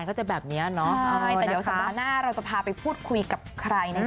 คุณผู้ชมไม่เจนเลยค่ะถ้าลูกคุณออกมาได้มั้ยคะ